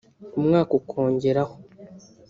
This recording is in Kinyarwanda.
umwaka ukongeraho